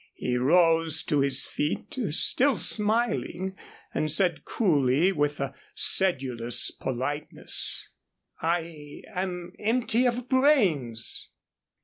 He rose to his feet, still smiling, and said, coolly, with a sedulous politeness: "I am empty of brains?